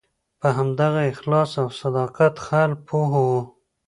په همدغه اخلاص او صداقت خلک پوه وو.